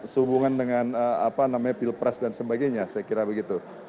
sehubungan dengan apa namanya pilpres dan sebagainya saya kira begitu